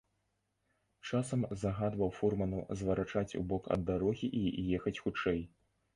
Часам загадваў фурману зварачаць у бок ад дарогі і ехаць хутчэй.